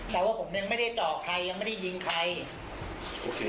แต่ว่าผมยังไม่ได้เจาะใครยังไม่ได้ยิงใครโอเค